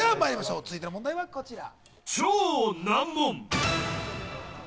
続いての問題はこちら。